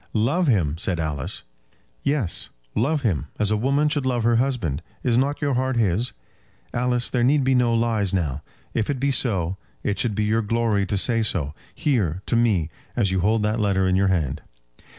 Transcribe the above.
"Love him!" said Alice. "Yes; love him: as a woman should love her husband. Is not your heart his? Alice, there need be no lies now. If it be so, it should be your glory to say so, here, to me, as you hold that letter in your hand."